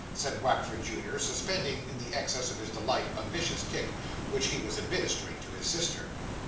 said Wackford junior, suspending, in the excess of his delight, a vicious kick which he was administering to his sister.